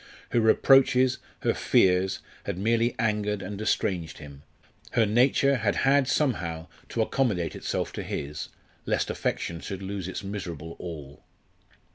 Her reproaches, her fears, had merely angered and estranged him; her nature had had somehow to accommodate itself to his, lest affection should lose its miserable all.